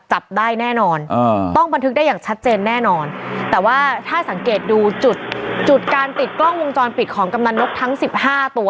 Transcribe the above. จับได้แน่นอนต้องบันทึกได้อย่างชัดเจนแน่นอนแต่ว่าถ้าสังเกตดูจุดจุดการติดกล้องวงจรปิดของกำนันนกทั้งสิบห้าตัว